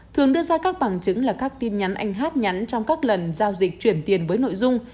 thường đưa ra các bằng chứng là các tin nhắn anh hát nhắn trong các lần giao dịch chuyển tiền với nội dung